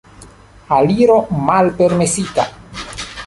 Aliro malpermesita.